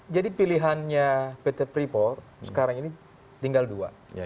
jadi pilihannya pt pripor sekarang ini tinggal dua